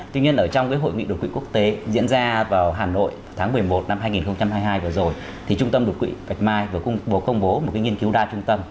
tuy nhiên ở trong cái hội nghị đột quỵ quốc tế diễn ra vào hà nội tháng một mươi một năm hai nghìn hai mươi hai vừa rồi thì trung tâm đột quỵ vạch mai vừa công bố một cái nghiên cứu đa trung tâm